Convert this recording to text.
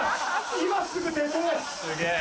今すぐ出てぇ！